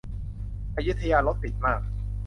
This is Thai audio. อยุธยารถติดมาก